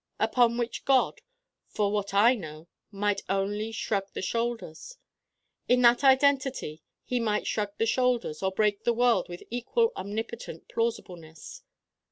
Upon which God, for what I know, might only shrug the shoulders. In that identity he might shrug the shoulders or break the world with equal omnipotent plausibleness.